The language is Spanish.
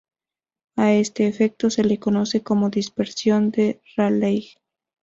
A este efecto se le conoce como Dispersión de Rayleigh.